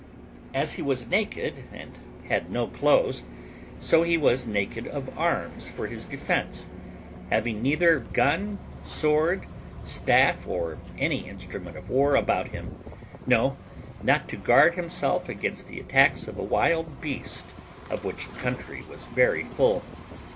As he was naked, and had no clothes, so he was naked of arms for his defence, having neither gun, sword, staff, or any instrument of war about him, no, not to guard himself against the attacks of a wild beast, of which the country was very full.